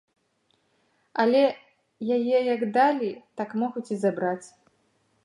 Але яе як далі, так могуць і забраць.